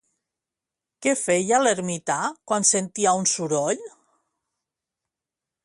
Què feia l'ermità quan sentia un soroll?